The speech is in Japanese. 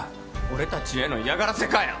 俺たちへの嫌がらせかよ！